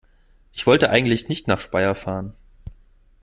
Ich wollte eigentlich nicht nach Speyer fahren